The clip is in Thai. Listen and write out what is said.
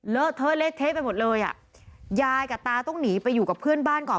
เทอะเละเทะไปหมดเลยอ่ะยายกับตาต้องหนีไปอยู่กับเพื่อนบ้านก่อน